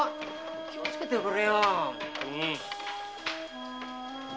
気をつけてくれよ！